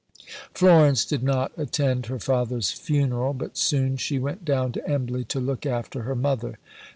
Florence did not attend her father's funeral, but soon she went down to Embley to look after her mother.